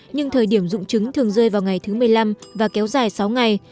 nhưng thời điểm dụng trứng thường rơi vào ngày thứ một mươi năm và kéo dài sáu ngày